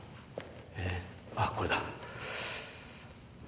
ああこれだ。